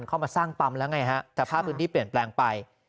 เข้ามาสร้างปั๊มแล้วไงฮะสภาพพื้นที่เปลี่ยนแปลงไป